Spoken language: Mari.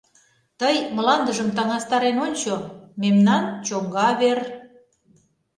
Тый мландыжым таҥастарен ончо: мемнан чоҥга вер...